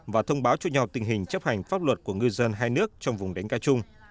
và thông báo cho nhau tình hình chấp hành pháp luật của ngư dân hai nước trong vùng đáy ca trung